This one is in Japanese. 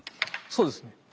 そうですね！